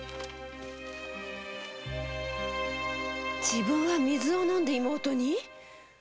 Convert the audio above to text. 自分は水を飲んで妹に？